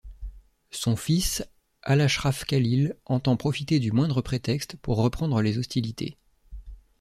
Son fils Al-Ashraf Khalil entend profiter du moindre prétexte pour reprendre les hostilités.